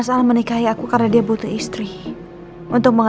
sampai jumpa di video selanjutnya